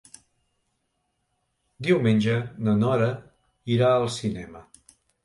Diumenge na Nora irà al cinema.